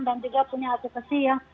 dan juga punya aktivasi yang